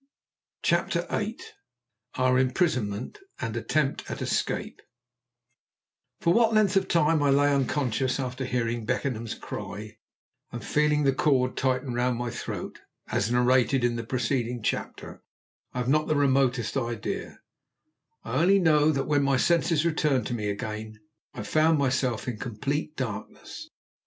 CHAPTER VIII OUR IMPRISONMENT AND ATTEMPT AT ESCAPE For what length of time I lay unconscious after hearing Beckenham's cry, and feeling the cord tighten round my throat, as narrated in the preceding chapter, I have not the remotest idea; I only know that when my senses returned to me again I found myself in complete darkness.